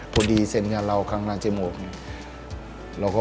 พอดีเซ็นต์กับพร้อมและไฟล์น